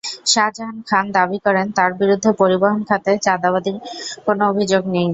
শাজাহান খান দাবি করেন, তাঁর বিরুদ্ধে পরিবহন খাতে চাঁদাবাজির কোনো অভিযোগ নেই।